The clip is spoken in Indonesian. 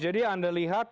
jadi anda lihat